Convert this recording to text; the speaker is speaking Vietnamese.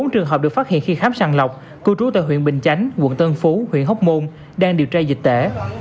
bốn trường hợp được phát hiện khi khám sàng lọc cư trú tại huyện bình chánh quận tân phú huyện hóc môn đang điều tra dịch tễ